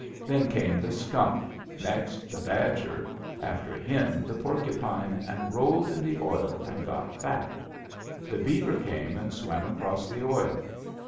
Then came the skunk; next the badger; after him the porcupine, and rolled in the oil and got fat. The beaver came and swam across the oil.